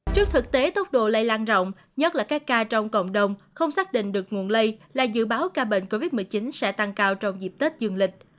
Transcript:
trước thực tế tốc độ lây lan rộng nhất là các ca trong cộng đồng không xác định được nguồn lây là dự báo ca bệnh covid một mươi chín sẽ tăng cao trong dịp tết dương lịch